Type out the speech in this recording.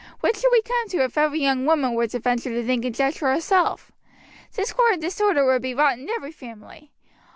What should we come to if every young woman were to venture to think and judge for herself? Discord and disorder would be wrought in every family.